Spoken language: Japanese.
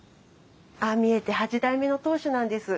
ああ見えて八代目の当主なんです。